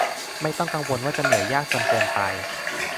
ไม่ต้องกังวลว่าจะเหนื่อยยากจนเกินไป